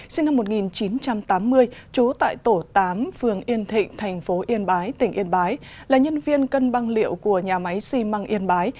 sinh năm một nghìn chín trăm tám mươi trú tại tổ tám phường yên thịnh thành phố yên bái tỉnh yên bái là nhân viên cân băng liệu của nhà máy xi măng yên bái